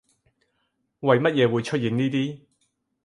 為乜嘢會出現呢啲